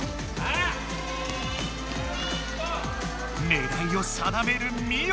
ねらいをさだめるミオ！